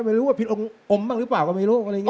ไม่รู้ว่าผิดอมบ้างหรือเปล่า